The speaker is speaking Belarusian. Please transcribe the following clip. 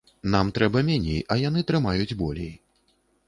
Нам трэба меней, а яны трымаюць болей.